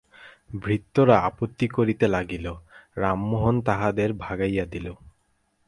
ভৃত্যেরা আপত্তি করিতে লাগিল, রামমোহন তাহাদের ভাগাইয়া দিল।